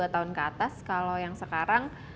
dua tahun ke atas kalau yang sekarang